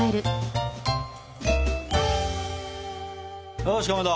よしかまど。